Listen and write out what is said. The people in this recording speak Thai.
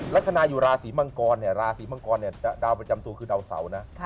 ลักษณะอยู่ราศีมังกรเนี่ยราศีมังกรเนี่ยดาวประจำตัวคือดาวเสานะ